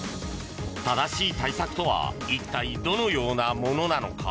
正しい対策とは一体どのようなものなのか。